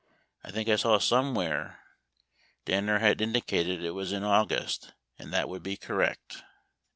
I think I saw somewhere where Danner had indicated it was in August and that would be correct."